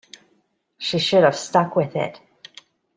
She should have stuck with it.